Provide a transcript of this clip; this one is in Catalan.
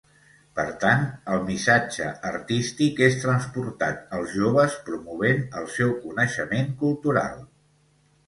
Per tant, el missatge artístic és transportat als joves promovent el seu coneixement cultural.